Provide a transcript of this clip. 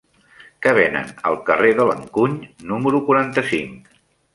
Què venen al carrer de l'Encuny número quaranta-cinc?